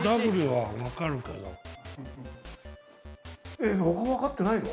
えっ分かってないの？